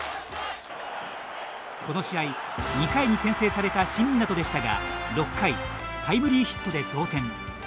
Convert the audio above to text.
この試合２回に先制された新湊でしたが６回タイムリーヒットで同点。